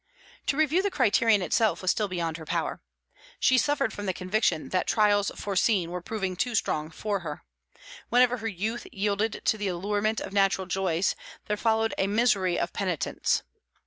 To review the criterion itself was still beyond her power. She suffered from the conviction that trials foreseen were proving too strong for her. Whenever her youth yielded to the allurement of natural joys, there followed misery of penitence.